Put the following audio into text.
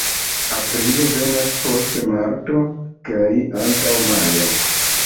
Aprilo venas post marto kaj antaŭ majo.